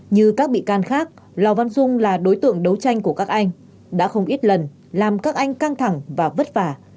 như các bị can khác lò văn dung là đối tượng đấu tranh của các anh đã không ít lần làm các anh căng thẳng và vất vả